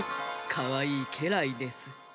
かわいいけらいです。